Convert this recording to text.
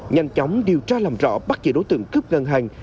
nhanh chóng điều tra làm rõ bắt giữ đối tượng cướp ngân hàng